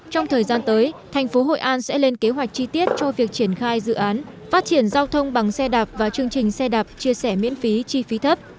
trong thời gian tới thành phố hội an sẽ lên kế hoạch chi tiết cho việc triển khai dự án phát triển giao thông bằng xe đạp và chương trình xe đạp chia sẻ miễn phí chi phí thấp